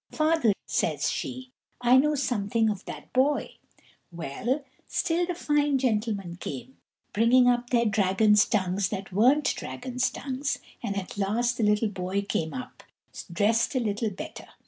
"Father," says she; "I know something of that boy." Well, still the fine gentlemen came, bringing up their dragons' tongues that weren't dragons' tongues, and at last the little boy came up, dressed a little better.